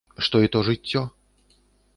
Што й то жыццё?